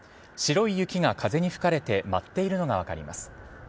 白い雪が風に吹かれて舞っているのが分かります。